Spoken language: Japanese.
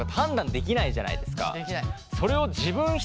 できない。